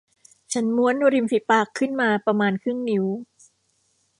ฉันม้วนริมฝีปากขึ้นมาประมาณครึ่งนิ้ว